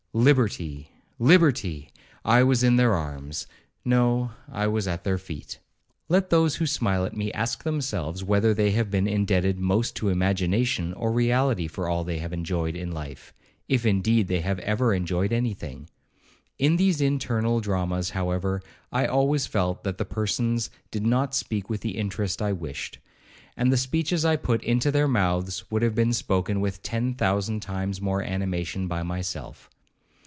Liberty,—liberty,—I was in their arms; no, I was at their feet. Let those who smile at me, ask themselves whether they have been indebted most to imagination or reality for all they have enjoyed in life, if indeed they have ever enjoyed any thing. In these internal dramas, however, I always felt that the persons did not speak with the interest I wished; and the speeches I put into their mouths would have been spoken with ten thousand times more animation by myself.